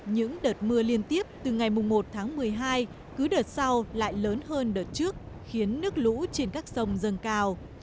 những đợt mưa liên tiếp từ ngày một tháng một mươi hai cứ đợt sau lại lớn hơn đợt trước khiến nước lũ trên các sông dâng cao